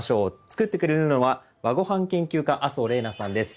作ってくれるのは和ごはん研究家麻生怜菜さんです。